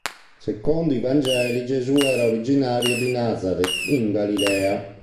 Secondo i Vangeli Gesù era originario di Nazaret, in Galilea.